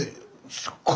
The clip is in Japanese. すっごい